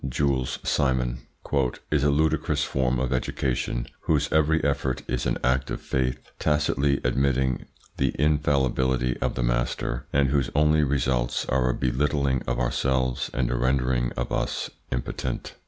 Jules Simon, "is a ludicrous form of education whose every effort is an act of faith tacitly admitting the infallibility of the master, and whose only results are a belittling of ourselves and a rendering of us impotent."